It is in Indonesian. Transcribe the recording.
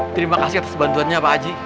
terima kasih atas bantuannya pak haji